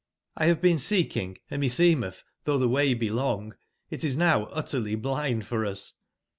X have been seeking, and me secmeth, though the way be long, it is now utterly blind for us.